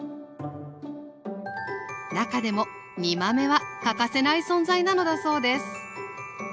中でも煮豆は欠かせない存在なのだそうです